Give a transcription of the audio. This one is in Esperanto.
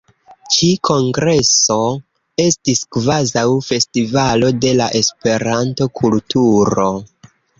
Ĉi kongreso estis kvazaŭ festivalo de la Esperanto-kulturo.